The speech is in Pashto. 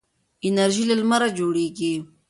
انرژي له لمره جوړیږي.